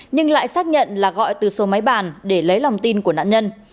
nhưng lại xác nhận là gọi từ số máy bàn để lấy lòng tin của nạn nhân